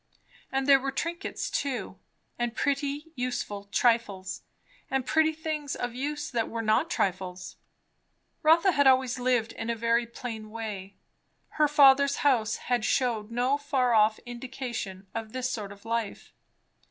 And there were trinkets too, and pretty useful trifles, and pretty things of use that were not trifles. Rotha had always lived in a very plain way; her father's house had shewed no far off indication of this sort of life.